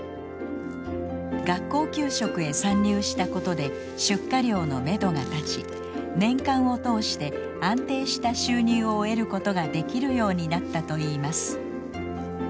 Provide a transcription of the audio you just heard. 学校給食へ参入したことで出荷量のめどが立ち年間を通して安定した収入を得ることができるようになったといいます。